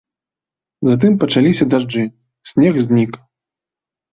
Затым пачаліся дажджы, снег знік.